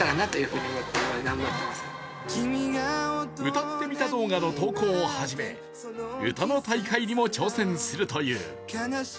歌ってみた動画の投稿を初め、歌の大会にも挑戦するという。